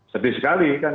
sedih sekali kan